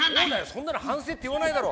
そんなのはんせいっていわないだろ。